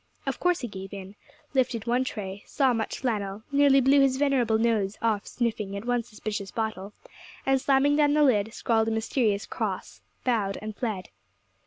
Of course he gave in, lifted one tray, saw much flannel, nearly blew his venerable nose off sniffing at one suspicious bottle, and slamming down the lid, scrawled a mysterious cross, bowed and fled.